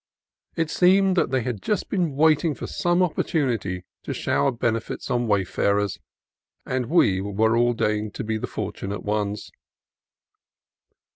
It seemed as if they had been just waiting for some opportunity to shower benefits on wayfarers, and we were ordained to be the fortunate ones.